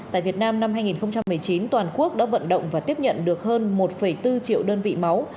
tại việt nam năm hai nghìn một mươi chín toàn quốc đã vận động và tiếp nhận được hơn một bốn triệu đơn vị máu